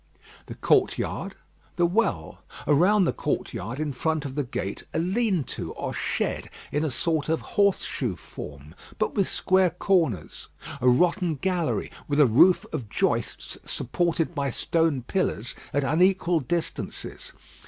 The courtyard: the well. Around the courtyard, in front of the gate, a lean to or shed, in a sort of horse shoe form, but with square corners; a rotten gallery, with a roof of joists supported by stone pillars at unequal distances.